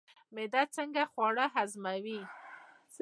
معده څنګه خواړه هضموي؟